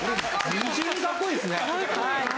二重にかっこいいですね。